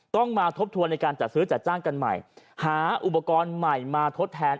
ต้องมาทบทวนในการจัดซื้อจัดจ้างกันใหม่หาอุปกรณ์ใหม่มาทดแทน